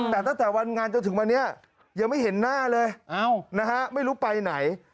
แต่ตั้งแต่วันงานจนถึงวันนี้ยังไม่เห็นหน้าเลยนะฮะไม่รู้ไปไหน